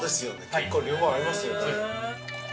結構両方合いますよね。